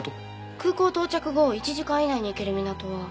空港到着後１時間以内に行ける港は。